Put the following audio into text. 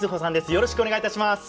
よろしくお願いします。